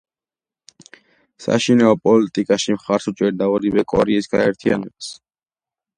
საშინაო პოლიტიკაში მხარს უჭერდა ორივე კორეის გაერთიანებას.